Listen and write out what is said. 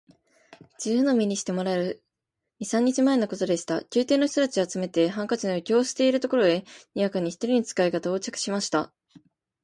自由の身にしてもらえる二三日前のことでした。宮廷の人たちを集めて、ハンカチの余興をしているところへ、にわかに一人の使が到着しました。